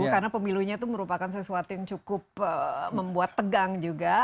karena pemilunya itu merupakan sesuatu yang cukup membuat tegang juga